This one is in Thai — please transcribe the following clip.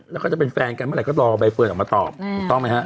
แล้วก็จะเป็นแฟนกันเมื่อไหร่ก็รอใบเฟิร์นออกมาตอบถูกต้องไหมฮะ